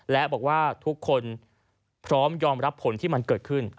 และบอกว่าทุกคนพร้อมยอมรับผลที่มันเกิดขึ้น